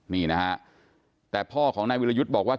นี่นะฮะแต่พ่อของนายวิรยุทธ์บอกว่า